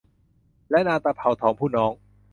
และนางตะเภาทองผู้น้อง